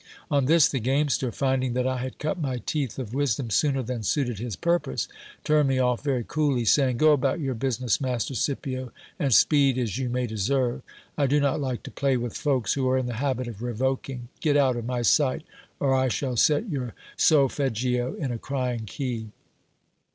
On this the gamester, finding that I had cut my teeth o:" wisdom sooner than suited his purpose, turned me off very coolly, saying : Go about your business, master Scipio, and speed as you may deserve. I do not like to play with folks who are in the habit of revoking. Get out of my sight, or I shall set your solfeggio in a crying key.